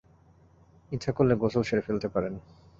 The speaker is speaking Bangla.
ইচ্ছা করলে গোসল সেরে ফেলতে পারেন।